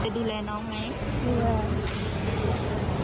ดูแลน้องไหม